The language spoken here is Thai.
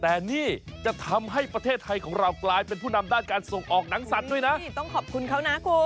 แต่นี่จะทำให้ประเทศไทยของเรากลายเป็นผู้นำด้านการส่งออกหนังสันด้วยนะ